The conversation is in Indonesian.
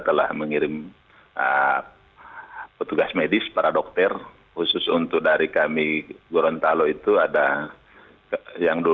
telah mengirim petugas medis para dokter khusus untuk dari kami gorontalo itu ada yang